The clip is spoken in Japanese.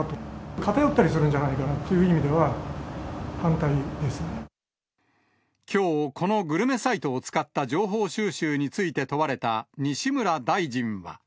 偏ったりするんじゃないかというきょう、このグルメサイトを使った情報収集について問われた西村大臣は。